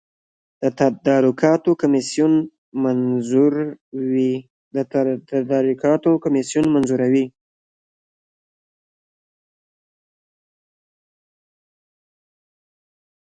د تدارکاتو کمیسیون منظوروي